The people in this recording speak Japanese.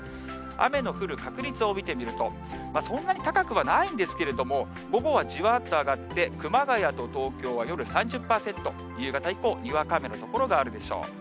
雨の降る確率を見てみると、そんなに高くはないんですけれども、午後はじわーっと上がって、熊谷と東京は夜３０％、夕方以降、にわか雨の所もあるでしょう。